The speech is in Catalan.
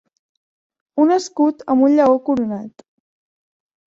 Un escut amb un lleó coronat.